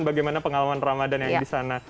bagaimana pengalaman ramadhan yang ada di sana